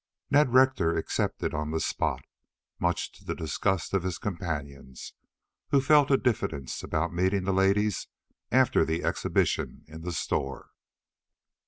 Ned Rector accepted on the spot, much to the disgust of his companions, who felt a diffidence about meeting the ladies after the exhibition in the store.